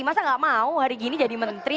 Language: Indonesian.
masa tidak mau hari ini jadi menteri